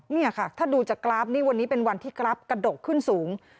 นี่ค่ะถ้าดูจากกราฟนี่วันนี้เป็นวันที่กราฟกระดกขึ้นสูง